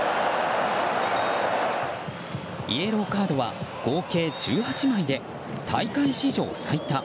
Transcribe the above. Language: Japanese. イエローカードは合計１８枚で大会史上最多。